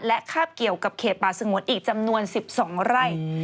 และคาบเกี่ยวกับเขตป่าสงวนอีกจำนวน๑๒ไร่